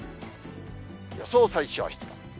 予想最小湿度。